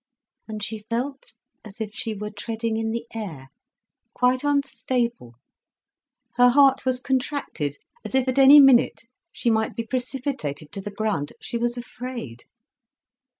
And she felt as if she were treading in the air, quite unstable, her heart was contracted, as if at any minute she might be precipitated to the ground. She was afraid.